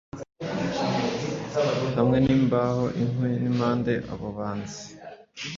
Hamwe nimbaho-inkwi nimpande abo banzi